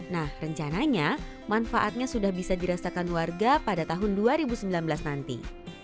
nah rencananya manfaatnya sudah bisa dirasakan warga pada tahun dua ribu sembilan belas nanti